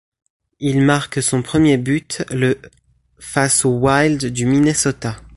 Il marque son premier but le face aux Wild du Minnesota.